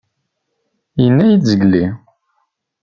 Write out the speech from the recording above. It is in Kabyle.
Yenna-yid zgelli.